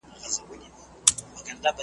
نه مستي سته د رندانو نه شرنګی د مطربانو .